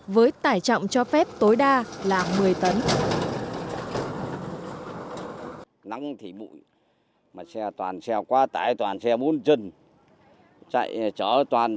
với tải trọng cho phép tối đa là một mươi tấn